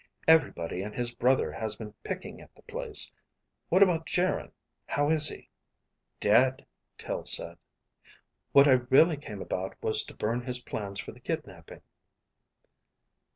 "Everybody and his brother has been picking at the place. What about Geryn, how is he?" "Dead," Tel said. "What I really came about was to burn his plans for the kidnaping."